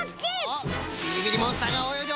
おっビリビリモンスターがおよいでおります。